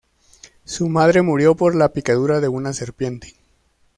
Su madre murió por la picadura de una serpiente.